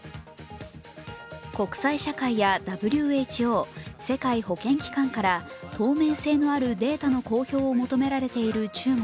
国際社会やＷＨＯ＝世界保健機関から透明性のあるデータの公表を求められている中国。